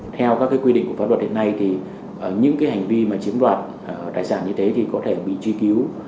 theo các quy định của pháp luật hiện nay thì những hành vi mà chiếm đoạt tài sản như thế thì có thể bị truy cứu